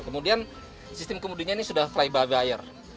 kemudian sistem kemudinya ini sudah fly by wire